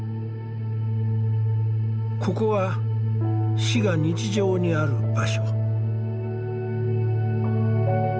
ここは死が日常にある場所。